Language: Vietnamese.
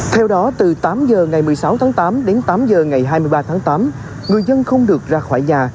theo đó từ tám h ngày một mươi sáu tháng tám đến tám h ngày hai mươi ba tháng tám người dân không được ra khỏi nhà